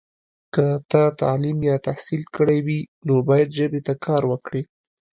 که تا تعلیم یا تحصیل کړی وي، نو باید ژبې ته کار وکړې.